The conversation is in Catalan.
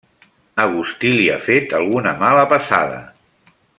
Agustí li ha fet alguna mala passada.